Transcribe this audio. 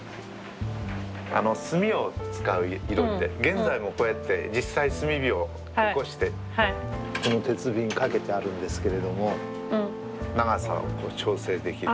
炭を使う囲炉裏って現在もこうやって実際炭火をおこしてこの鉄瓶掛けてあるんですけれども長さを調整できる。